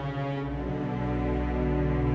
ibu sri sudah selesai menangkap ibu